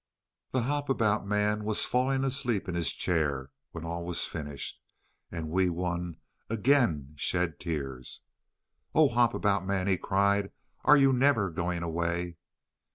The Hop about Man was falling asleep in his chair when all was finished, and Wee Wun again shed tears. "Oh, Hop about Man," he cried, "are you never going away?"